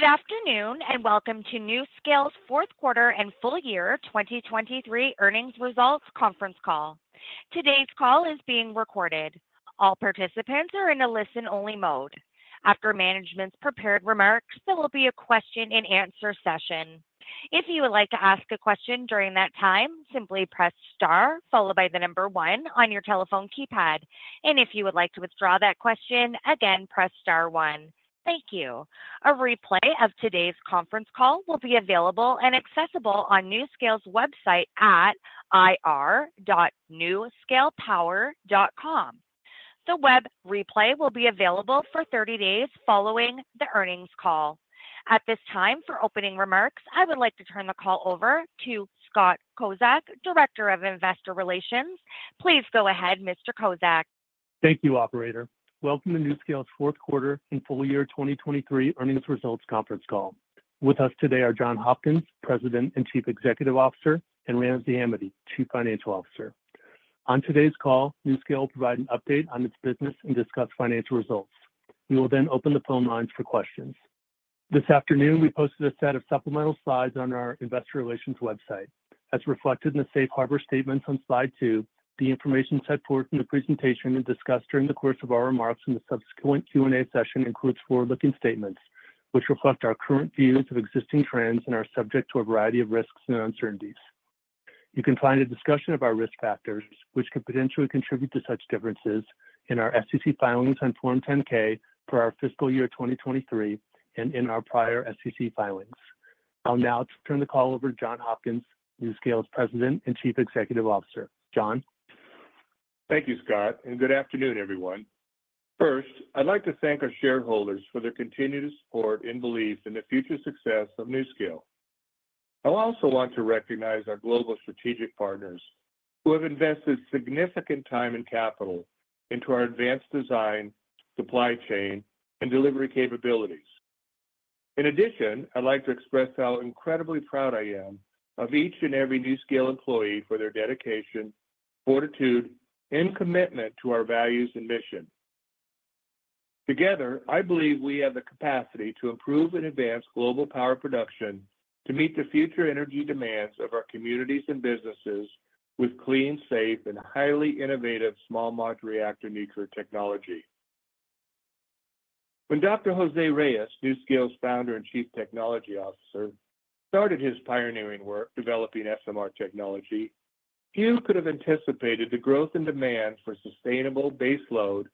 Good afternoon, and welcome to NuScale's Q4 and full year 2023 earnings results conference call. Today's call is being recorded. All participants are in a listen-only mode. After management's prepared remarks, there will be a question-and-answer session. If you would like to ask a question during that time, simply press star followed by the number 1 on your telephone keypad. If you would like to withdraw that question, again, press star one. Thank you. A replay of today's conference call will be available and accessible on NuScale's website at ir.nuscalepower.com. The web replay will be available for 30 days following the earnings call. At this time, for opening remarks, I would like to turn the call over to Scott Kozak, Director of Investor Relations. Please go ahead, Mr. Kozak. Thank you, operator. Welcome to NuScale's Q4 and full year 2023 earnings results conference call. With us today are John Hopkins, President and Chief Executive Officer, and Ramsey Hamady, Chief Financial Officer. On today's call, NuScale will provide an update on its business and discuss financial results. We will then open the phone lines for questions. This afternoon, we posted a set of supplemental slides on our investor relations website. As reflected in the safe harbor statements on slide 2, the information set forth in the presentation and discussed during the course of our remarks in the subsequent Q&A session includes forward-looking statements, which reflect our current views of existing trends and are subject to a variety of risks and uncertainties. You can find a discussion of our risk factors, which could potentially contribute to such differences in our SEC filings on Form 10-K for our fiscal year 2023 and in our prior SEC filings. I'll now turn the call over to John Hopkins, NuScale's President and Chief Executive Officer. John? Thank you, Scott, and good afternoon, everyone. First, I'd like to thank our shareholders for their continued support and belief in the future success of NuScale. I also want to recognize our global strategic partners, who have invested significant time and capital into our advanced design, supply chain, and delivery capabilities. In addition, I'd like to express how incredibly proud I am of each and every NuScale employee for their dedication, fortitude, and commitment to our values and mission. Together, I believe we have the capacity to improve and advance global power production to meet the future energy demands of our communities and businesses with clean, safe, and highly innovative small modular reactor nuclear technology. When Dr. José Reyes, NuScale's Founder and Chief Technology Officer, started his pioneering work developing SMR technology. Few could have anticipated the growth and demand for sustainable baseload,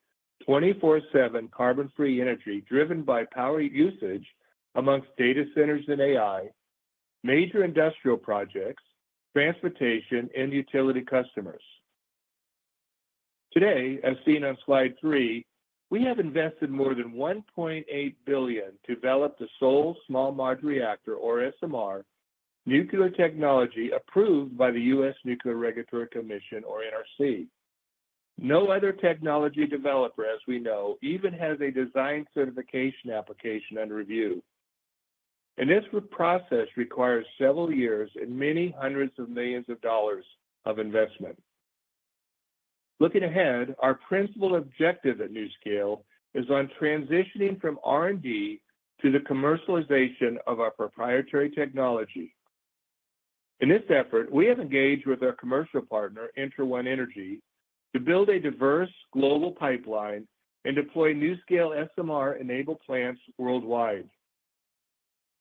24/7 carbon-free energy, driven by power usage among data centers and AI, major industrial projects, transportation, and utility customers. Today, as seen on slide 3, we have invested more than $1.8 billion to develop the sole small modular reactor, or SMR, nuclear technology approved by the U.S. Nuclear Regulatory Commission, or NRC. No other technology developer, as we know, even has a design certification application under review. This process requires several years and many hundreds of millions of dollars of investment. Looking ahead, our principal objective at NuScale is on transitioning from R&D to the commercialization of our proprietary technology. In this effort, we have engaged with our commercial partner, Entra1 Energy, to build a diverse global pipeline and deploy NuScale SMR-enabled plants worldwide.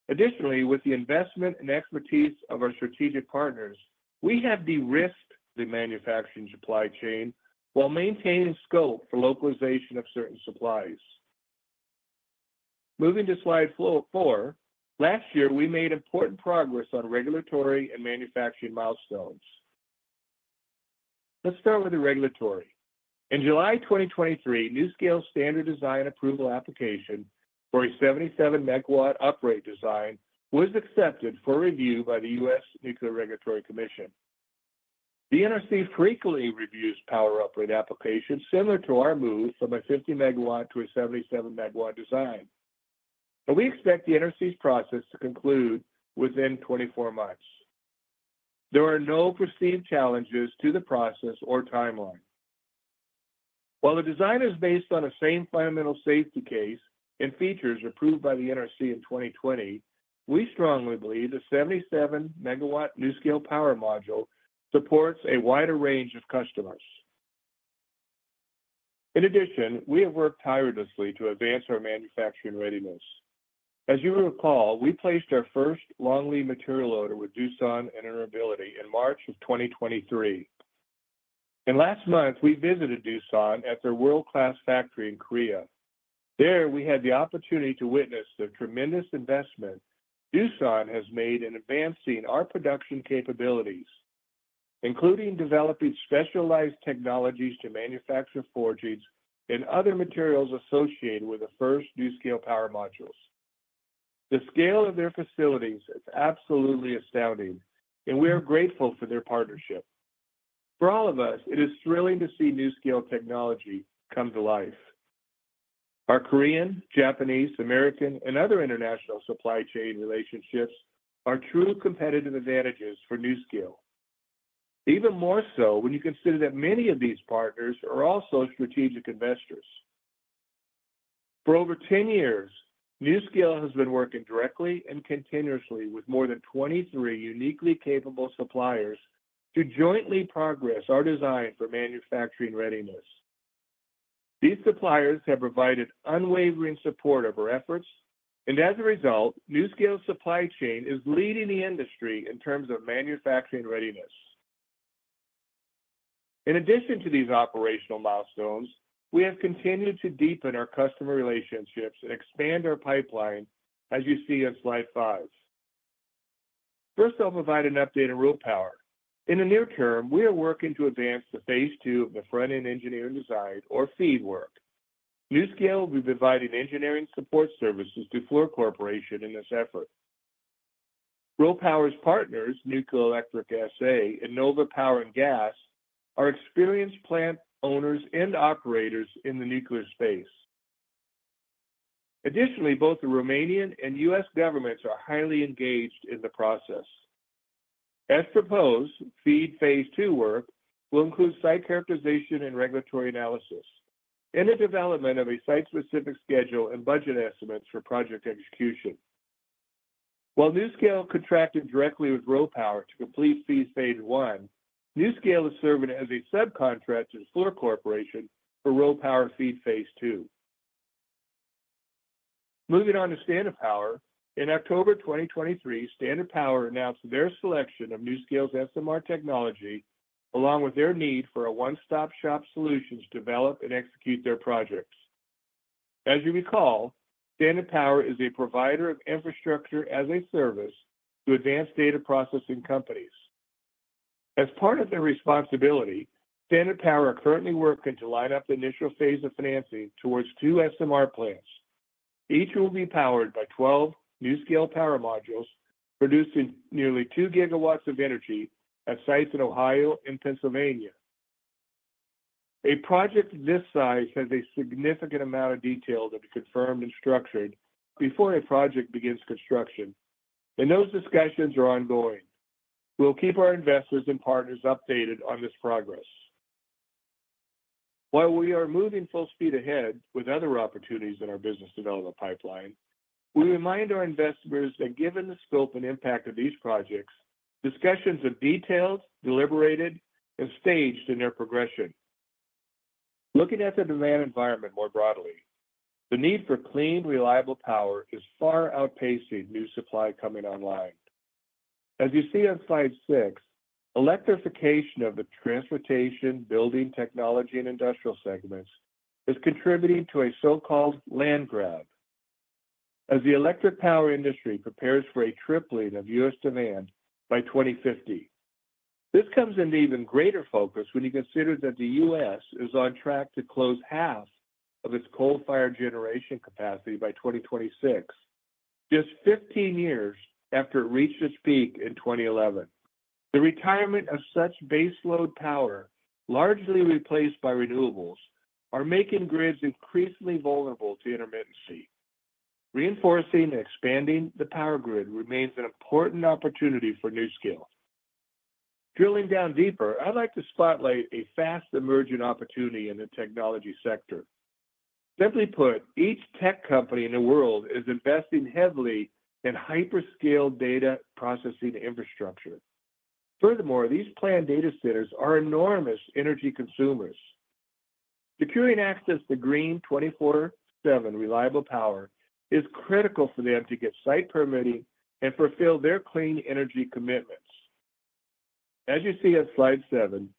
Additionally, with the investment and expertise of our strategic partners, we have de-risked the manufacturing supply chain while maintaining scope for localization of certain supplies. Moving to slide 4, last year, we made important progress on regulatory and manufacturing milestones. Let's start with the regulatory. In July 2023, NuScale's standard design approval application for a 77-MW upgrade design was accepted for review by the U.S. Nuclear Regulatory Commission. The NRC frequently reviews power upgrade applications similar to our move from a 50-MW to a 77-MW design, and we expect the NRC's process to conclude within 24 months. There are no perceived challenges to the process or timeline. While the design is based on the same fundamental safety case and features approved by the NRC in 2020, we strongly believe the 77-MW NuScale Power Module supports a wider range of customers. In addition, we have worked tirelessly to advance our manufacturing readiness. As you will recall, we placed our first long-lead material order with Doosan Enerbility in March of 2023, and last month, we visited Doosan at their world-class factory in Korea. There, we had the opportunity to witness the tremendous investment Doosan has made in advancing our production capabilities, including developing specialized technologies to manufacture forges and other materials associated with the first NuScale Power Modules. The scale of their facilities is absolutely astounding, and we are grateful for their partnership. For all of us, it is thrilling to see NuScale technology come to life. Our Korean, Japanese, American, and other international supply chain relationships are true competitive advantages for NuScale.... Even more so when you consider that many of these partners are also strategic investors. For over 10 years, NuScale has been working directly and continuously with more than 23 uniquely capable suppliers to jointly progress our design for manufacturing readiness. These suppliers have provided unwavering support of our efforts, and as a result, NuScale's supply chain is leading the industry in terms of manufacturing readiness. In addition to these operational milestones, we have continued to deepen our customer relationships and expand our pipeline, as you see on slide 5. First, I'll provide an update on RoPower. In the near term, we are working to advance the phase two of the front-end engineering design or FEED work. NuScale will be providing engineering support services to Fluor Corporation in this effort. RoPower's partners, Nuclear Electric SA and Nova Power & Gas, are experienced plant owners and operators in the nuclear space. Additionally, both the Romanian and U.S. governments are highly engaged in the process. As proposed, FEED phase II work will include site characterization and regulatory analysis, and the development of a site-specific schedule and budget estimates for project execution. While NuScale contracted directly with RoPower to complete FEED phase I, NuScale is serving as a subcontractor to Fluor Corporation for RoPower FEED phase II. Moving on to Standard Power. In October 2023, Standard Power announced their selection of NuScale's SMR technology, along with their need for a one-stop-shop solution to develop and execute their projects. As you recall, Standard Power is a provider of infrastructure-as-a-service to advanced data processing companies. As part of their responsibility, Standard Power are currently working to line up the initial phase of financing towards two SMR plants. Each will be powered by 12 NuScale Power Modules, producing nearly 2 gigawatts of energy at sites in Ohio and Pennsylvania. A project this size has a significant amount of detail that is confirmed and structured before a project begins construction, and those discussions are ongoing. We'll keep our investors and partners updated on this progress. While we are moving full speed ahead with other opportunities in our business development pipeline, we remind our investors that given the scope and impact of these projects, discussions are detailed, deliberated, and staged in their progression. Looking at the demand environment more broadly, the need for clean, reliable power is far outpacing new supply coming online. As you see on slide 6, electrification of the transportation, building, technology, and industrial segments is contributing to a so-called land grab as the electric power industry prepares for a tripling of U.S. demand by 2050. This comes into even greater focus when you consider that the U.S. is on track to close half of its coal-fired generation capacity by 2026, just 15 years after it reached its peak in 2011. The retirement of such base load power, largely replaced by renewables, are making grids increasingly vulnerable to intermittency. Reinforcing and expanding the power grid remains an important opportunity for NuScale. Drilling down deeper, I'd like to spotlight a fast-emerging opportunity in the technology sector. Simply put, each tech company in the world is investing heavily in hyperscale data processing infrastructure. Furthermore, these planned data centers are enormous energy consumers. Securing access to green 24/7 reliable power is critical for them to get site permitting and fulfill their clean energy commitments. As you see on slide 7,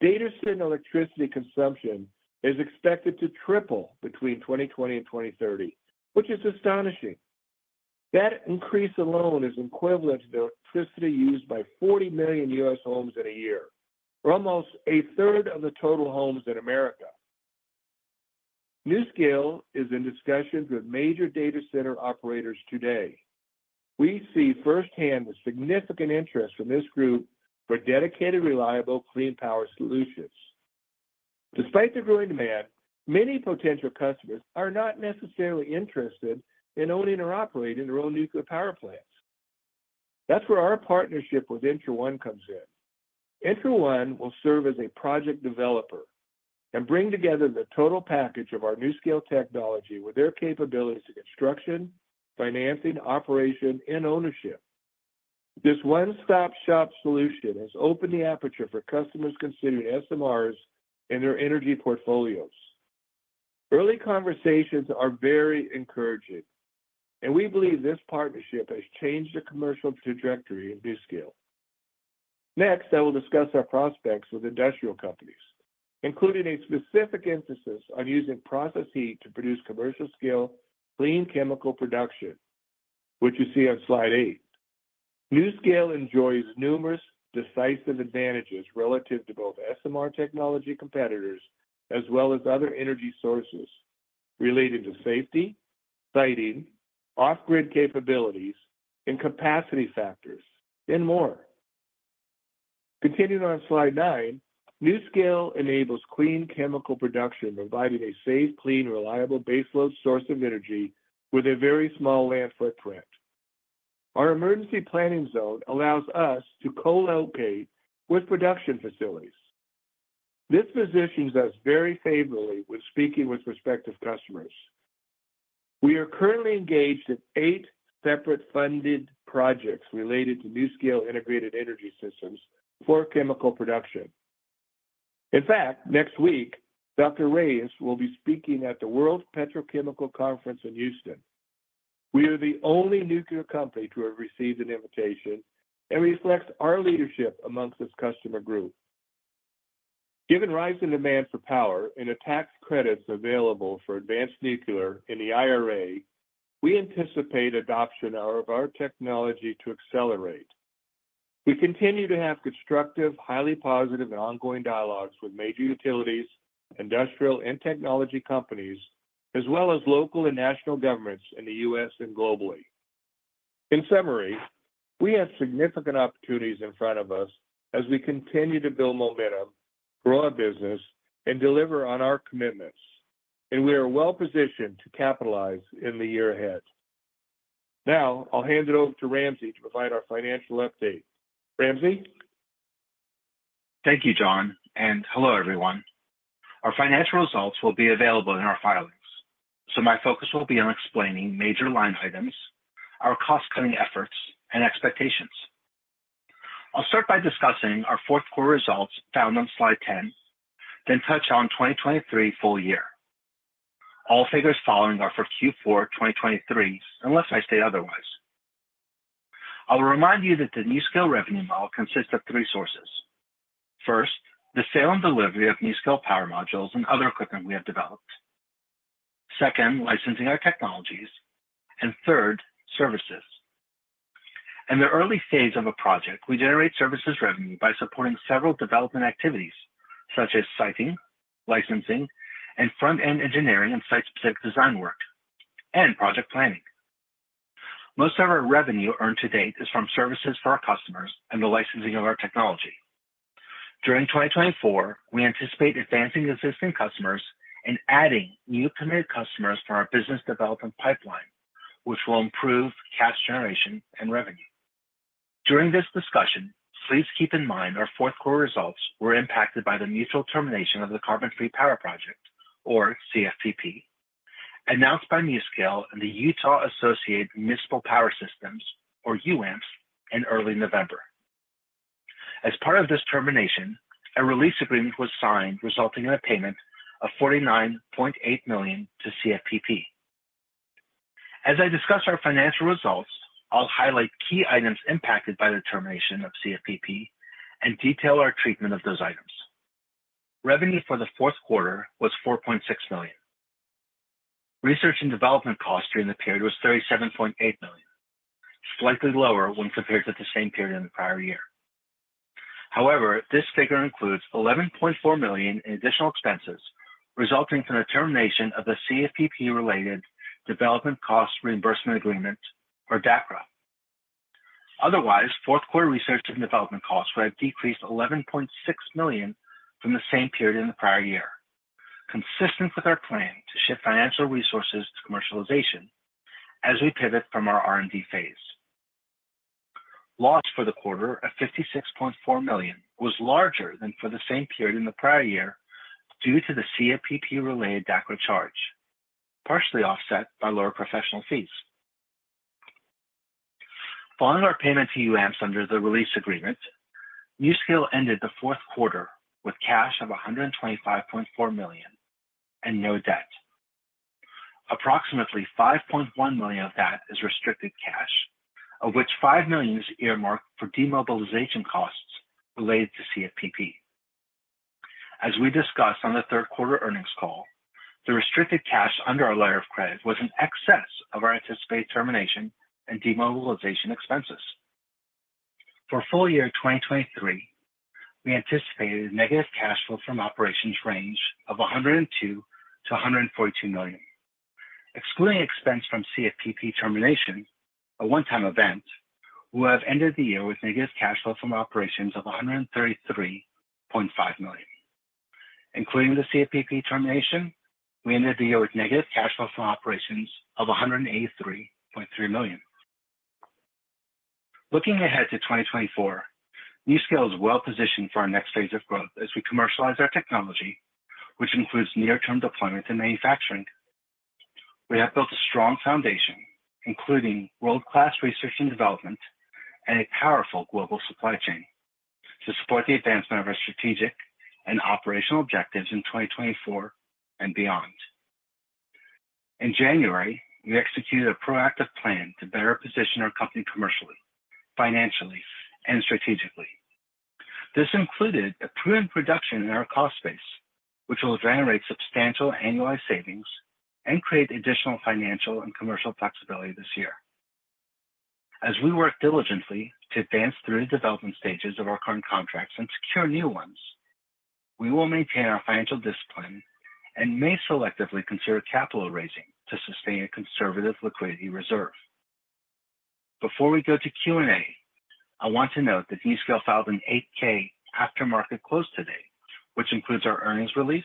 data center electricity consumption is expected to triple between 2020 and 2030, which is astonishing. That increase alone is equivalent to the electricity used by 40 million U.S. homes in a year, or almost a third of the total homes in America. NuScale is in discussions with major data center operators today. We see firsthand the significant interest from this group for dedicated, reliable, clean power solutions. Despite the growing demand, many potential customers are not necessarily interested in owning or operating their own nuclear power plants. That's where our partnership with IntraOne comes in. IntraOne will serve as a project developer and bring together the total package of our NuScale technology with their capabilities in construction, financing, operation, and ownership. This one-stop-shop solution has opened the aperture for customers considering SMRs in their energy portfolios. Early conversations are very encouraging, and we believe this partnership has changed the commercial trajectory of NuScale. Next, I will discuss our prospects with industrial companies, including a specific emphasis on using process heat to produce commercial-scale, clean chemical production, which you see on slide 8. NuScale enjoys numerous decisive advantages relative to both SMR technology competitors as well as other energy sources relating to safety, siting, off-grid capabilities, and capacity factors, and more. Continuing on slide 9, NuScale enables clean chemical production, providing a safe, clean, reliable baseload source of energy with a very small land footprint. Our emergency planning zone allows us to co-locate with production facilities. This positions us very favorably when speaking with prospective customers. We are currently engaged in eight separate funded projects related to NuScale integrated energy systems for chemical production. In fact, next week, Dr. Reyes will be speaking at the World Petrochemical Conference in Houston. We are the only nuclear company to have received an invitation, and reflects our leadership amongst this customer group. Given rising demand for power and the tax credits available for advanced nuclear in the IRA, we anticipate adoption of our technology to accelerate. We continue to have constructive, highly positive, and ongoing dialogues with major utilities, industrial and technology companies, as well as local and national governments in the U.S. and globally. In summary, we have significant opportunities in front of us as we continue to build momentum, grow our business, and deliver on our commitments, and we are well-positioned to capitalize in the year ahead. Now, I'll hand it over to Ramsey to provide our financial update. Ramsey? Thank you, John, and hello, everyone. Our financial results will be available in our filings, so my focus will be on explaining major line items, our cost-cutting efforts, and expectations. I'll start by discussing our Q4 results found on slide 10, then touch on 2023 full year. All figures following are for Q4 2023s, unless I state otherwise. I will remind you that the NuScale revenue model consists of three sources. First, the sale and delivery of NuScale Power Module and other equipment we have developed. Second, licensing our technologies, and third, services. In the early stages of a project, we generate services revenue by supporting several development activities, such as siting, licensing, and front-end engineering, and site-specific design work, and project planning. Most of our revenue earned to date is from services for our customers and the licensing of our technology. During 2024, we anticipate advancing existing customers and adding new committed customers from our business development pipeline, which will improve cash generation and revenue. During this discussion, please keep in mind our Q4 results were impacted by the mutual termination of the Carbon-Free Power Project, or CFPP, announced by NuScale and the Utah Associated Municipal Power Systems, or UAMPS, in early November. As part of this termination, a release agreement was signed, resulting in a payment of $49.8 million to CFPP. As I discuss our financial results, I'll highlight key items impacted by the termination of CFPP and detail our treatment of those items. Revenue for the Q4 was $4.6 million. Research and development costs during the period was $37.8 million, slightly lower when compared to the same period in the prior year. However, this figure includes $11.4 million in additional expenses resulting from the termination of the CFPP-related Development Cost Reimbursement Agreement, or DCRA. Otherwise, Q4 research and development costs would have decreased $11.6 million from the same period in the prior year, consistent with our plan to shift financial resources to commercialization as we pivot from our R&D phase. Loss for the quarter of $56.4 million was larger than for the same period in the prior year due to the CFPP-related DCRA charge, partially offset by lower professional fees. Following our payment to UAMPS under the release agreement, NuScale ended the Q4 with cash of $125.4 million and no debt. Approximately $5.1 million of that is restricted cash, of which $5 million is earmarked for demobilization costs related to CFPP. As we discussed on the Q3 earnings call, the restricted cash under our letter of credit was in excess of our anticipated termination and demobilization expenses. For full year 2023, we anticipated negative cash flow from operations range of $102 million-$142 million. Excluding expense from CFPP termination, a one-time event, we will have ended the year with negative cash flow from operations of $133.5 million. Including the CFPP termination, we ended the year with negative cash flow from operations of $183.3 million. Looking ahead to 2024, NuScale is well positioned for our next phase of growth as we commercialize our technology, which includes near-term deployment and manufacturing. We have built a strong foundation, including world-class research and development and a powerful global supply chain, to support the advancement of our strategic and operational objectives in 2024 and beyond. In January, we executed a proactive plan to better position our company commercially, financially, and strategically. This included a prudent reduction in our cost base, which will generate substantial annualized savings and create additional financial and commercial flexibility this year. As we work diligently to advance through the development stages of our current contracts and secure new ones, we will maintain our financial discipline and may selectively consider capital raising to sustain a conservative liquidity reserve. Before we go to Q&A. I want to note that NuScale filed an 8-K after market close today, which includes our earnings release,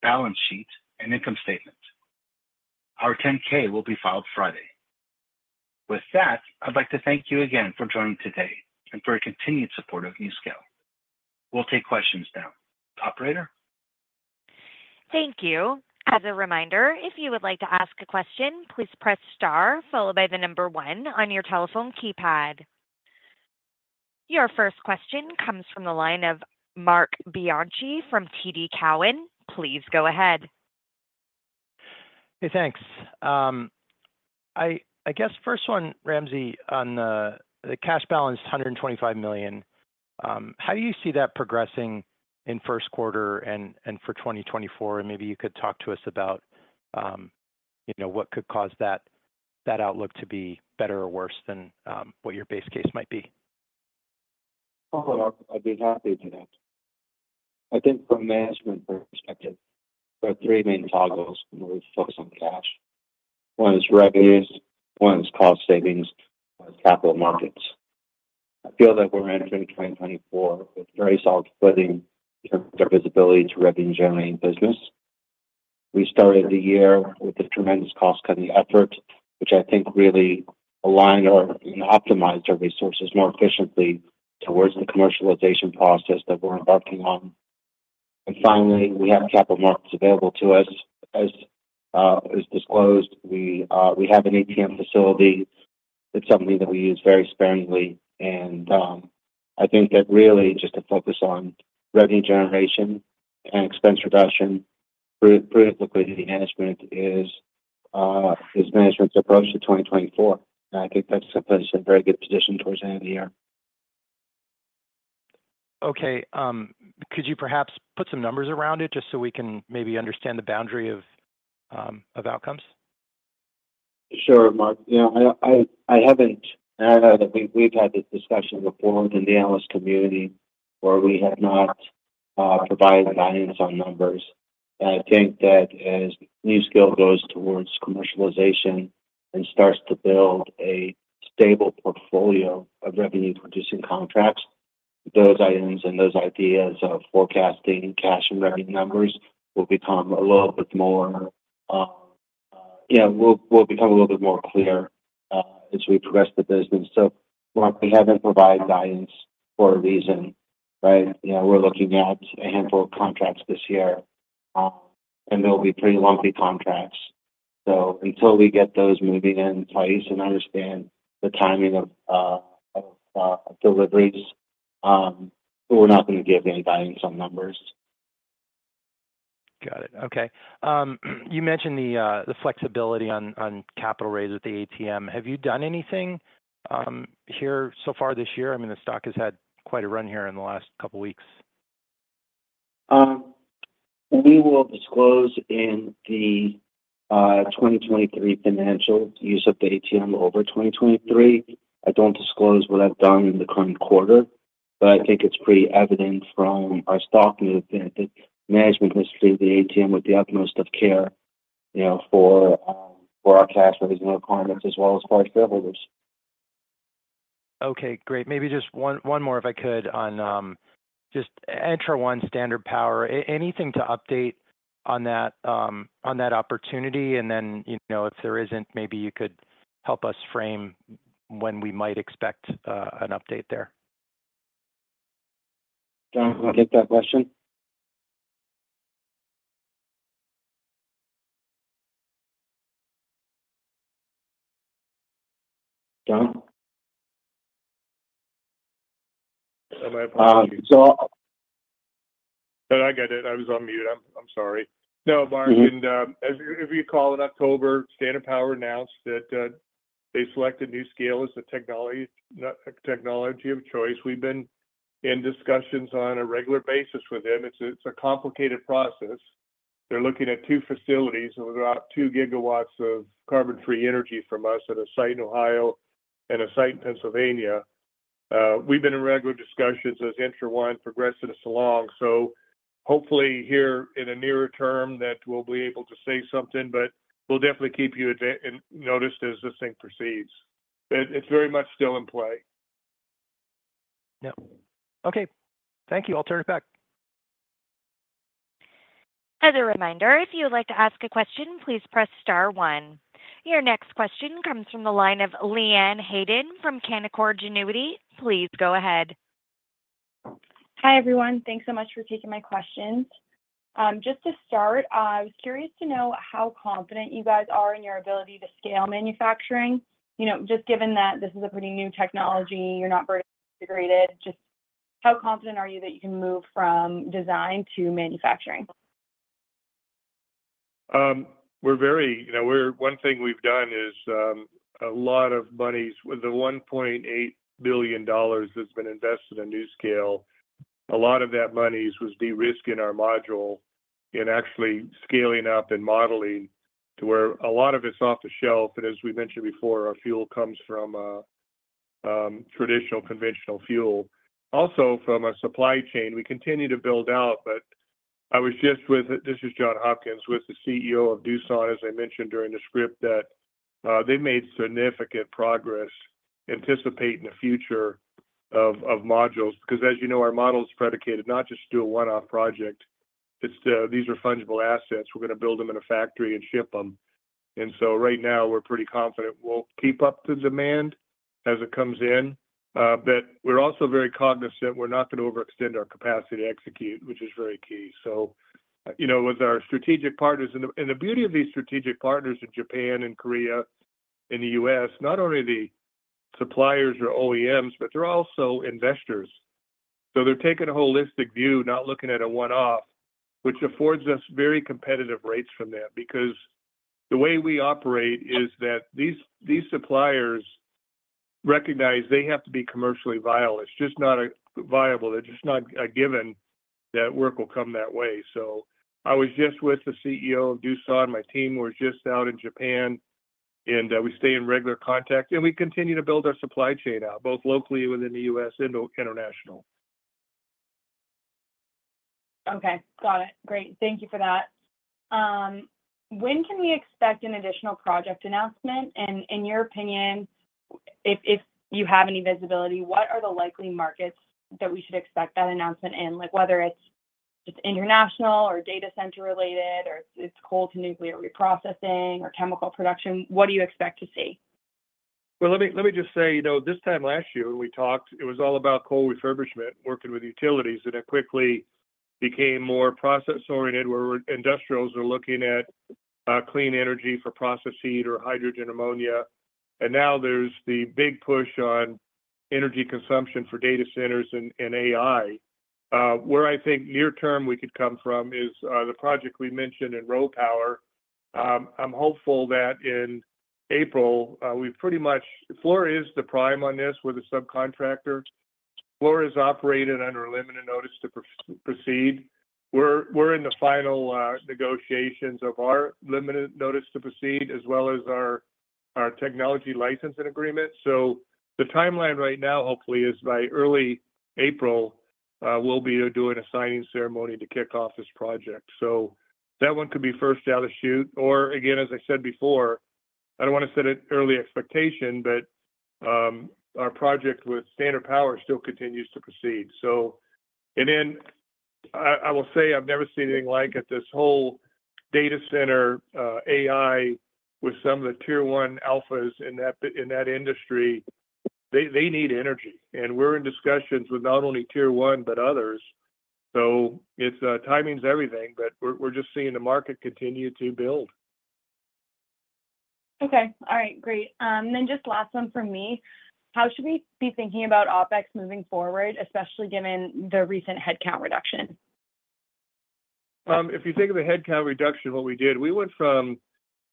balance sheet, and income statement. Our 10-K will be filed Friday. With that, I'd like to thank you again for joining today and for your continued support of NuScale. We'll take questions now. Operator? Thank you. As a reminder, if you would like to ask a question, please press star followed by the number 1 on your telephone keypad. Your first question comes from the line of Marc Bianchi from TD Cowen. Please go ahead. Hey, thanks. I guess first one, Ramsey, on the cash balance, $125 million. How do you see that progressing in Q1 and for 2024? And maybe you could talk to us about, you know, what could cause that outlook to be better or worse than what your base case might be? Oh, Mark, I'd be happy to do that. I think from a management perspective, there are three main toggles when we focus on cash. One is revenues, one is cost savings, capital markets. I feel that we're entering 2024 with very solid footing in terms of visibility to revenue-generating business. We started the year with a tremendous cost-cutting effort, which I think really aligned our and optimized our resources more efficiently towards the commercialization process that we're embarking on. And finally, we have capital markets available to us. As, as disclosed, we, we have an ATM facility. It's something that we use very sparingly, and, I think that really just a focus on revenue generation and expense reduction, critically, the management is, is management's approach to 2024. I think that puts us in a very good position towards the end of the year. Okay, could you perhaps put some numbers around it just so we can maybe understand the boundary of outcomes? Sure, Mark. You know, I haven't. And I know that we've had this discussion before with the analyst community, where we have not provided guidance on numbers. I think that as NuScale goes towards commercialization and starts to build a stable portfolio of revenue-producing contracts, those items and those ideas of forecasting cash and revenue numbers will become a little bit more clear as we progress the business. So, Mark, we haven't provided guidance for a reason, right? You know, we're looking at a handful of contracts this year, and they'll be pretty lumpy contracts. So until we get those moving in place and understand the timing of deliveries, we're not going to give any guidance on numbers. Got it. Okay. You mentioned the flexibility on capital raise with the ATM. Have you done anything here so far this year? I mean, the stock has had quite a run here in the last couple weeks. We will disclose in the 2023 financial use of the ATM over 2023. I don't disclose what I've done in the current quarter, but I think it's pretty evident from our stock move that management has treated the ATM with the utmost of care, you know, for, for our cash reserves requirements as well as for our shareholders. Okay, great. Maybe just one more, if I could, on just Entra1, Standard Power. Anything to update on that opportunity? And then, you know, if there isn't, maybe you could help us frame when we might expect an update there. John, do you want to take that question? John? My apologies. Uh, so- No, I get it. I was on mute. I'm sorry. No, Mark, and as you, if you recall, in October, Standard Power announced that they selected NuScale as the technology of choice. We've been in discussions on a regular basis with them. It's a complicated process. They're looking at two facilities, and we've got two gigawatts of carbon-free energy from us at a site in Ohio and a site in Pennsylvania. We've been in regular discussions as Entra1 progresses along, so hopefully here in the nearer term, that we'll be able to say something, but we'll definitely keep you advised as this thing proceeds. It's very much still in play. Yeah. Okay, thank you. I'll turn it back. As a reminder, if you would like to ask a question, please press star one. Your next question comes from the line of Leanne Hayden from Canaccord Genuity. Please go ahead. Hi, everyone. Thanks so much for taking my questions. Just to start, I was curious to know how confident you guys are in your ability to scale manufacturing. You know, just given that this is a pretty new technology, you're not very integrated. Just how confident are you that you can move from design to manufacturing? You know, one thing we've done is a lot of monies. With the $1.8 billion that's been invested in NuScale, a lot of that money was de-risking our module and actually scaling up and modeling to where a lot of it's off the shelf. And as we mentioned before, our fuel comes from traditional, conventional fuel. Also, from a supply chain, we continue to build out, but I was just with—this is John Hopkins, with the CEO of Doosan, as I mentioned during the script, that they made significant progress anticipating the future of modules. Because as you know, our model is predicated not just do a one-off project, it's these are fungible assets. We're gonna build them in a factory and ship them. And so right now, we're pretty confident we'll keep up the demand as it comes in, but we're also very cognizant we're not gonna overextend our capacity to execute, which is very key. So, you know, with our strategic partners, and the beauty of these strategic partners in Japan and Korea and the US, not only are they suppliers or OEMs, but they're also investors. So they're taking a holistic view, not looking at a one-off, which affords us very competitive rates from them. Because the way we operate is that these suppliers recognize they have to be commercially viable. It's just not viable. They're just not a given that work will come that way. So I was just with the CEO of Doosan, my team was just out in Japan, and we stay in regular contact, and we continue to build our supply chain out, both locally within the U.S. and international. Okay, got it. Great. Thank you for that. When can we expect an additional project announcement? And in your opinion, if you have any visibility, what are the likely markets that we should expect that announcement in? Like, whether it's international or data center related, or it's coal to nuclear reprocessing or chemical production, what do you expect to see? Well, let me just say, you know, this time last year when we talked, it was all about coal refurbishment, working with utilities, and it quickly became more process-oriented, where industrials are looking at clean energy for process heat or hydrogen ammonia. And now there's the big push on energy consumption for data centers and AI. Where I think near term we could come from is the project we mentioned in RoPower. I'm hopeful that in April, we've pretty much—Fluor is the prime on this with a subcontractor. Fluor is operated under a limited notice to proceed. We're in the final negotiations of our limited notice to proceed, as well as our technology licensing agreement. So the timeline right now, hopefully, is by early April, we'll be doing a signing ceremony to kick off this project. So that one could be first out of the chute, or again, as I said before, I don't want to set an early expectation, but our project with Standard Power still continues to proceed. So and then I will say I've never seen anything like it, this whole data center AI, with some of the tier one alphas in that industry. They need energy, and we're in discussions with not only tier one, but others. So it's timing is everything, but we're just seeing the market continue to build. Okay. All right, great. Then just last one from me: How should we be thinking about OpEx moving forward, especially given the recent headcount reduction? If you think of the headcount reduction, what we did, we went from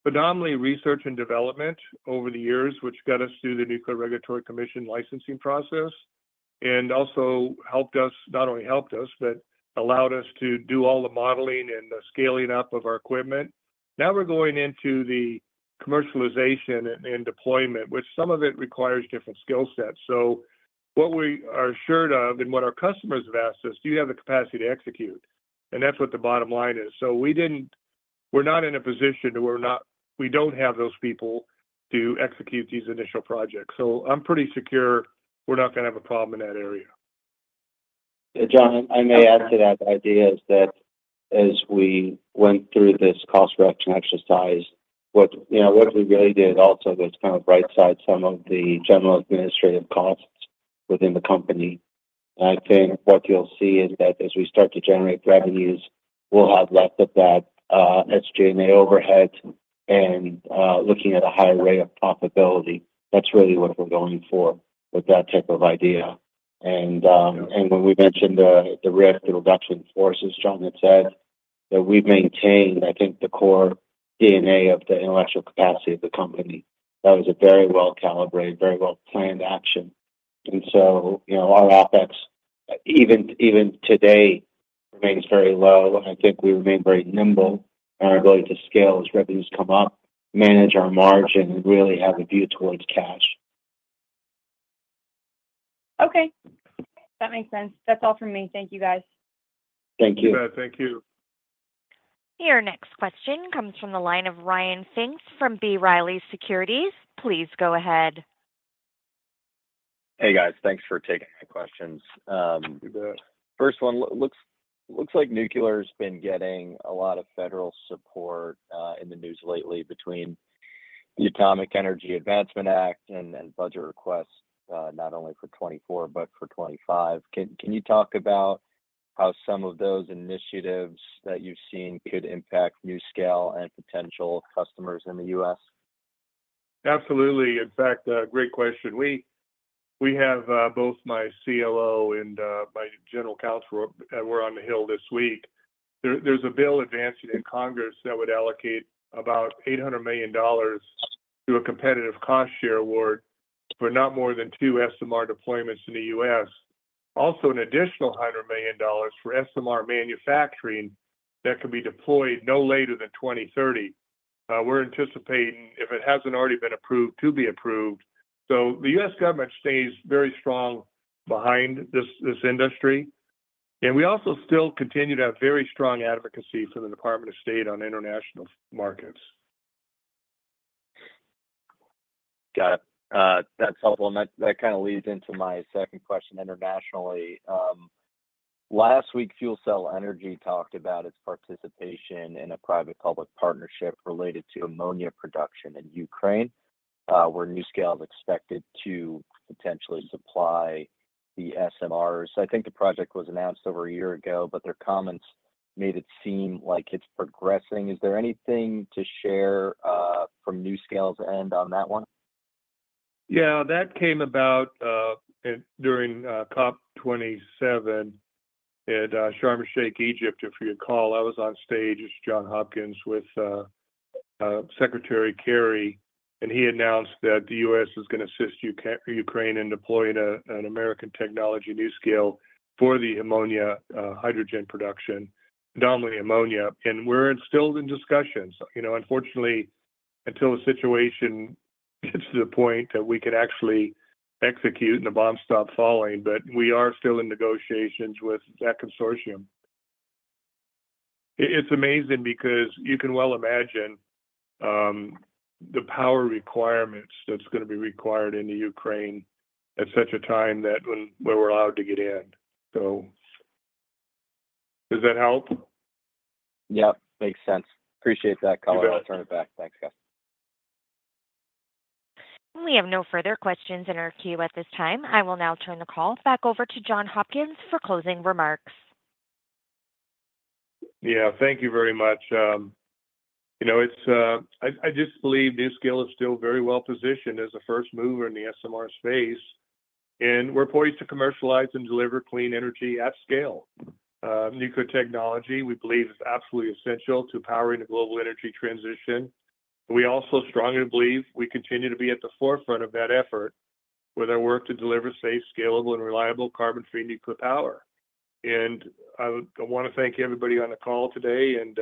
predominantly research and development over the years, which got us through the Nuclear Regulatory Commission licensing process, and also helped us—not only helped us, but allowed us to do all the modeling and the scaling up of our equipment. Now, we're going into the commercialization and deployment, which some of it requires different skill sets. So what we are assured of and what our customers have asked us, "Do you have the capacity to execute?" And that's what the bottom line is. So we're not in a position where we don't have those people to execute these initial projects. So I'm pretty secure we're not gonna have a problem in that area. John, I may add to that. The idea is that as we went through this cost reduction exercise, you know, what we really did also was kind of right-size some of the general administrative costs within the company. I think what you'll see is that as we start to generate revenues, we'll have less of that, SG&A overhead and looking at a higher rate of profitability. That's really what we're going for with that type of idea. And when we mentioned the reduction forces, John had said that we've maintained, I think, the core DNA of the intellectual capacity of the company. That was a very well-calibrated, very well-planned action. You know, our OpEx, even today, remains very low, and I think we remain very nimble in our ability to scale as revenues come up, manage our margin, and really have a view towards cash. Okay. That makes sense. That's all from me. Thank you, guys. Thank you. You bet. Thank you. Your next question comes from the line of Ryan Pfingst from B. Riley Securities. Please go ahead. Hey, guys. Thanks for taking my questions. You bet. First one, looks like nuclear's been getting a lot of federal support in the news lately between the Atomic Energy Advancement Act and budget requests not only for 2024, but for 2025. Can you talk about how some of those initiatives that you've seen could impact NuScale and potential customers in the U.S.? Absolutely. In fact, great question. We have both my CLO and my general counsel were on the Hill this week. There's a bill advancing in Congress that would allocate about $800 million to a competitive cost share award, but not more than 2 SMR deployments in the U.S. Also, an additional $100 million for SMR manufacturing that could be deployed no later than 2030. We're anticipating, if it hasn't already been approved, to be approved. So the U.S. government stays very strong behind this industry, and we also still continue to have very strong advocacy from the Department of State on international markets. Got it. That's helpful, and that, that kind of leads into my second question internationally. Last week, FuelCell Energy talked about its participation in a private-public partnership related to ammonia production in Ukraine, where NuScale is expected to potentially supply the SMRs. I think the project was announced over a year ago, but their comments made it seem like it's progressing. Is there anything to share from NuScale's end on that one? Yeah, that came about during COP 27 at Sharm El-Sheikh, Egypt. If you recall, I was on stage as John Hopkins with Secretary Kerry, and he announced that the US is gonna assist Ukraine in deploying an American technology NuScale for the ammonia hydrogen production, predominantly ammonia, and we're still in discussions. You know, unfortunately, until the situation gets to the point that we can actually execute and the bombs stop falling, but we are still in negotiations with that consortium. It's amazing because you can well imagine the power requirements that's gonna be required in the Ukraine at such a time that when we're allowed to get in. So does that help? Yep, makes sense. Appreciate that, Colin. You bet. I'll turn it back. Thanks, guys. We have no further questions in our queue at this time. I will now turn the call back over to John Hopkins for closing remarks. Yeah, thank you very much. You know, it's I just believe NuScale is still very well positioned as a first mover in the SMR space, and we're poised to commercialize and deliver clean energy at scale. Nuclear technology, we believe, is absolutely essential to powering the global energy transition. We also strongly believe we continue to be at the forefront of that effort with our work to deliver safe, scalable, and reliable carbon-free nuclear power. And I wanna thank everybody on the call today and,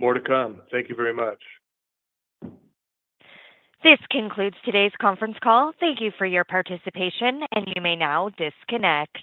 more to come. Thank you very much. This concludes today's conference call. Thank you for your participation, and you may now disconnect.